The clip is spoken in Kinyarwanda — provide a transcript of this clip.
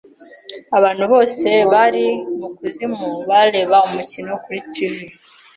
Abantu bose bari mukuzimu bareba umukino kuri TV.